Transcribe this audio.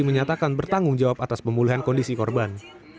menyatakan bertanggung jawab atas pemulihan kondisi korban